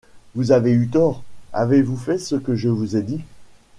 Vous avez eu tort. Avez-vous fait ce que je vous ai dit ?